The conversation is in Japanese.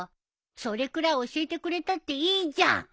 それくらい教えてくれたっていいじゃん！